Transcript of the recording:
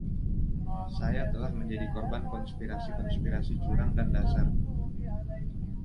Saya telah menjadi korban konspirasi - konspirasi curang dan dasar